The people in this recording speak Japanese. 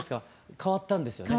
変わったんですよね。